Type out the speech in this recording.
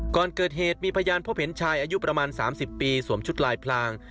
ก่อนเกิดเหตุมีพยานพบเห็นชายอายุประมาณ๓๐ปีสวมชุดลายพลาง